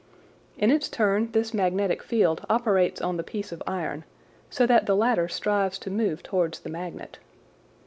In its turn this magnetic field operates on the piece of iron, so that the latter strives to move towards the magnet.